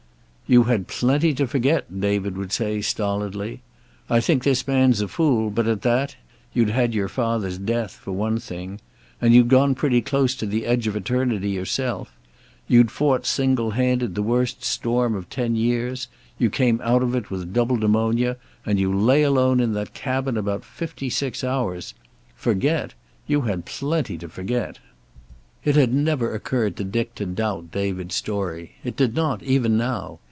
"You had plenty to forget," David would say, stolidly. "I think this man's a fool, but at that you'd had your father's death, for one thing. And you'd gone pretty close to the edge of eternity yourself. You'd fought single handed the worst storm of ten years, you came out of it with double pneumonia, and you lay alone in that cabin about fifty six hours. Forget! You had plenty to forget." It had never occurred to Dick to doubt David's story. It did not, even now.